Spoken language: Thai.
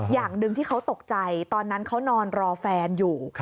อย่างหนึ่งที่เขาตกใจตอนนั้นเขานอนรอแฟนอยู่